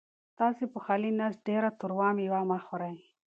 تاسو په خالي نس ډېره تروه مېوه مه خورئ.